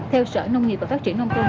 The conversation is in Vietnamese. theo sở nông nghiệp và phát triển nông công